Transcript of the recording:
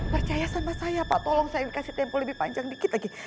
percaya sama saya pak tolong saya kasih tempo lebih panjang dikit lagi